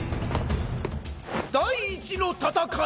第１の戦い！